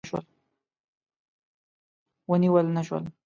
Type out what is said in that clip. ونیول نه شول.